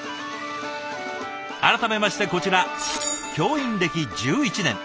改めましてこちら教員歴１１年